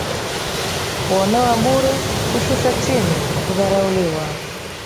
Kuonewa bure, kushushwa chini, kudharauliwa.